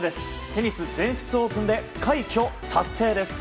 テニス、全仏オープンで快挙達成です。